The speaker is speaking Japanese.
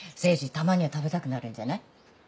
たまには食べたくなるんじゃない？